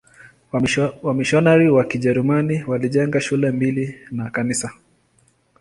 Wamisionari wa Kijerumani walijenga shule mbili na kanisa.